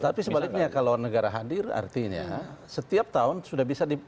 tapi sebaliknya kalau negara hadir artinya setiap tahun sudah bisa di